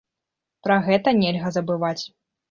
Пра гэта нельга забываць.